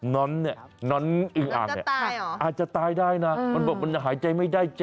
้อนเนี่ยน้อนอึงอ่างเนี่ยอาจจะตายได้นะมันบอกมันยังหายใจไม่ได้จ้